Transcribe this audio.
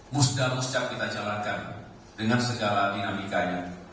musdal muscak kita jalankan dengan segala dinamikanya